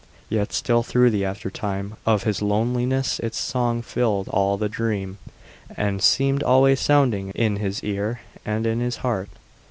Yet still through the aftertime of his loneliness its song filled all the dream, and seemed always sounding in his ear and in his heart.